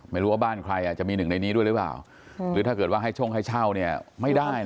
ไม่รู้ว่าบ้านใครอาจจะมีหนึ่งในนี้ด้วยหรือเปล่าหรือถ้าเกิดว่าให้ช่องให้เช่าเนี่ยไม่ได้นะ